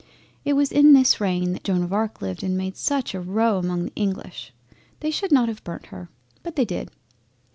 It was in this reign that Joan of Arc lived and made such a row among the English. They should not have burnt her—but they did.